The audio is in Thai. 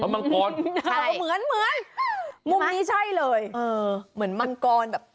มังกรเหมือนมุมนี้ใช่เลยเหมือนมังกร